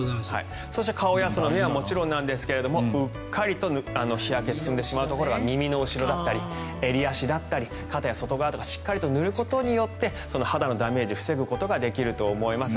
そして顔や目はもちろんですがうっかりと日焼けが進んでしまうところは耳の後ろだったり、襟足だったり肩や外側とかしっかり塗ることで肌のダメージを防ぐことができると思います。